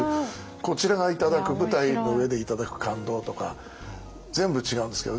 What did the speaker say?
こちらが頂く舞台の上で頂く感動とか全部違うんですけど。